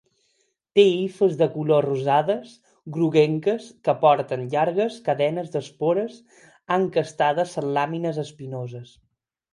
Té hifes de color rosades groguenques que porten llargues cadenes d'espores encastades en làmines espinoses.